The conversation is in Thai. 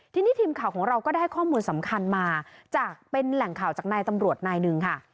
ทีนี้ทีมข่าวของเราก็ได้ข้อมูลสำคัญมาจากเป็นแหล่งข่าวจากนายตำรวจนายหนึ่งค่ะ